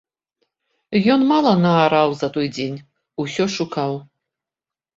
Ён мала наараў за той дзень, усё шукаў.